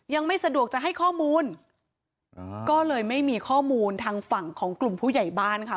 ยังไม่สะดวกจะให้ข้อมูลอ่าก็เลยไม่มีข้อมูลทางฝั่งของกลุ่มผู้ใหญ่บ้านค่ะ